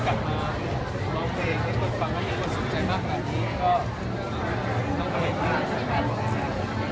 ก็ต้องการให้ภาพบอกให้แสดง